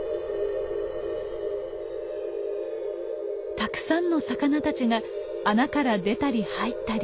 たくさんの魚たちが穴から出たり入ったり。